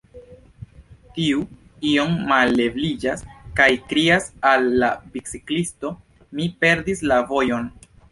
Tiu iom malleviĝas, kaj krias al la biciklisto: Mi perdis la vojon.